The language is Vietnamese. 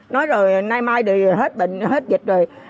nói rồi nay mai thì hết bệnh hết dịch rồi